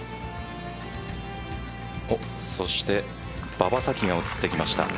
そして馬場咲希が映ってきました。